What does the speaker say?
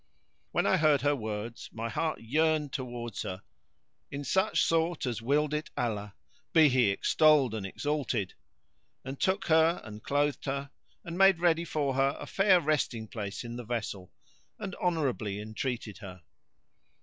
When I heard her words, my heart yearned towards her, in such sort as willed it Allah (be He extolled and exalted!); and took her and clothed her and made ready for her a fair resting place in the vessel, and honourably entreated her.